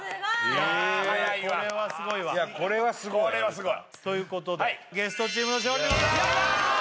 いやはやいわこれはすごいわこれはすごいということでゲストチームの勝利ですやった！